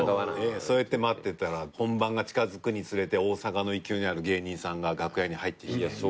そうやって待ってたら本番が近づくにつれて大阪の勢いのある芸人さんが楽屋に入ってきて。